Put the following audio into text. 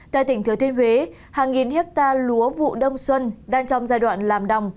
tại tỉnh thứa thiên huế hàng nghìn hecta lúa vụ đông xuân đang trong giai đoạn làm đồng